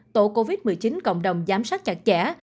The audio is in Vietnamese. tổ covid một mươi chín cộng đồng giám sát chặt chẽ